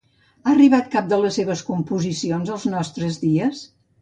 Ha arribat cap de les seves composicions als nostres dies?